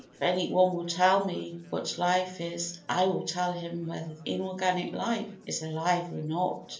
If any one will tell me what life is I will tell him whether the inorganic is alive or not.